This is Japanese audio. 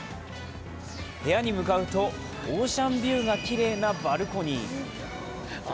部屋に向かうとオーシャンビューがきれいなバルコニー。